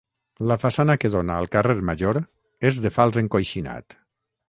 La façana que dóna al carrer Major és de fals encoixinat.